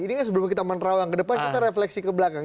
ini kan sebelum kita menerawang ke depan kita refleksi ke belakang